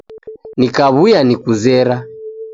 Nikawuya nikuzera